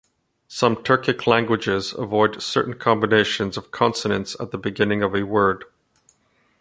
Some Turkic languages avoid certain combinations of consonants at the beginning of a word.